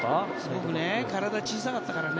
僕、体小さかったからね。